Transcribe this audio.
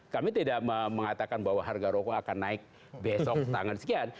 kami tidak mengatakan bahwa harga rokok akan naik besok tangan sekian